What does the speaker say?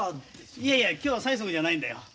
いやいや今日は催促じゃないんだよ。